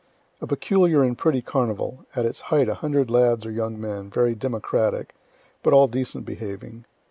A peculiar and pretty carnival at its height a hundred lads or young men, very democratic, but all decent behaving.